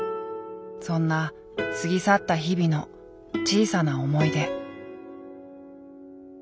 そんな過ぎ去った日々の小さな思い出。